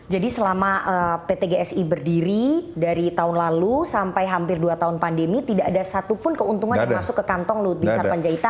jadi selama pt gsi berdiri dari tahun lalu sampai hampir dua tahun pandemi tidak ada satupun keuntungan yang masuk ke kantong lu bisnis penjahitan